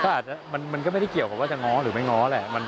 ก็อาจจะมันก็ไม่ได้เกี่ยวกับว่าจะง้อหรือไม่ง้อแหละ